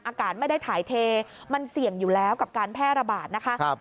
อากาศไม่ได้ถ่ายเทมันเสี่ยงอยู่แล้วกับการแพร่ระบาดนะคะ